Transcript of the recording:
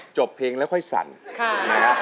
จบเพลงแล้วค่อยสั่น